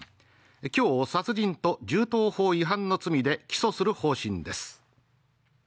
きょう殺人と銃刀法違反の罪で起訴する方針です